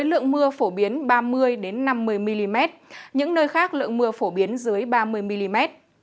lượng mưa phổ biến ba mươi năm mươi mm những nơi khác lượng mưa phổ biến dưới ba mươi mm